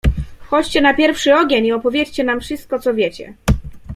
"Chodźcie na pierwszy ogień i opowiedzcie nam wszystko, co wiecie."